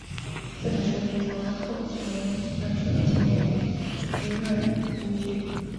这本书已经成为后殖民论述的经典与理论依据。